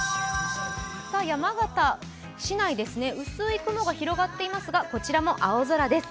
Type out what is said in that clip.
山形、市内ですね、薄い雲が広がっていますがこちらも青空です。